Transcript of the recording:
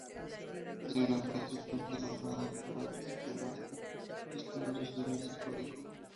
Tiene una fuerte influencia lombarda pero en principio muestra los primeros signos del gótico.